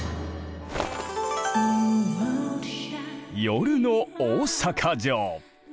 夜の大坂城！